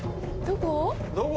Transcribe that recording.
どこ？